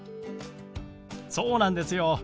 そうなんですよ。